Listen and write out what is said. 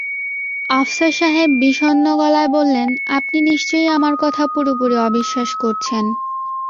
আফসার সাহেব বিষণ্ণ গলায় বললেন, আপনি নিশ্চয়ই আমার কথা পুরোপুরি অবিশ্বাস করছেন।